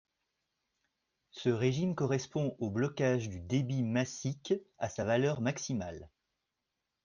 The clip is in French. Ce régime correspond au blocage du débit massique à sa valeur maximale.